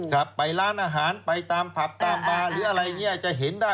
ครับไปร้านอาหารไปตามผับตามบาร์หรืออะไรเนี่ยจะเห็นได้